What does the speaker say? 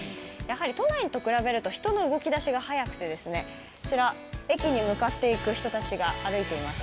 都内と比べると人の動き出しが早くてこちら駅に向かっていく人たちが歩いています。